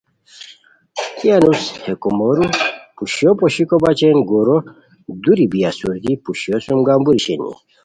ای انوس ہے کوموروپوشیو پوشیکو بچین گورو دوری بی اسور کی پوشیو سوم گمبوری شینی